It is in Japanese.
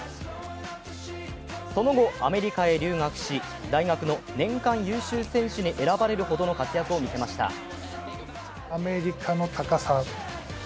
その後、アメリカへ留学し大学の年間優秀選手に選ばれるほどの活躍を見せました。